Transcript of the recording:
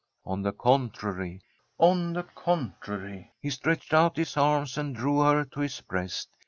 On the contrary ! on the contrary 1 He stretched out his arms and drew her to his breast.